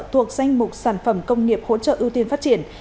thuộc danh mục sản phẩm công nghiệp hỗ trợ ưu tiên phát triển